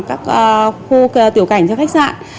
các khu tiểu cảnh cho khách sạn